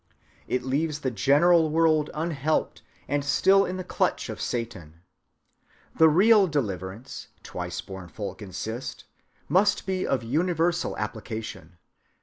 It leaves the general world unhelped and still in the clutch of Satan. The real deliverance, the twice‐born folk insist, must be of universal application.